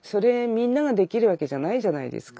みんなができるわけじゃないじゃないですか。